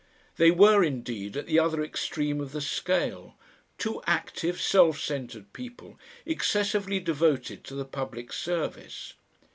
They were indeed at the other extreme of the scale, two active self centred people, excessively devoted to the public service.